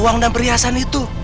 uang dan perhiasan itu